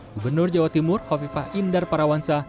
gubernur jawa timur hovifah indar parawansa